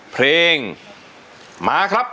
เพลงมาครับ